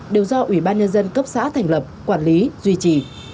đều do ủy ban nhân dân cấp xã thành lập quản lý duy trì